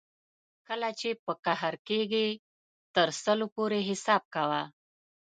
کله چې په قهر کېږې تر سل پورې حساب کوه.